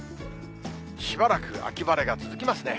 しばらく秋晴れが続きますね。